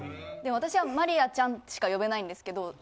で私は「まりあちゃん」しか呼べないんですけど。